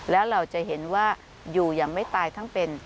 แล้วเราจะเห็นว่าอยู่อย่างไม่ตายทั้งเป็น